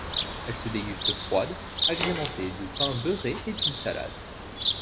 Elles se dégustent froides, agrémentées de pain beurré et d'une salade.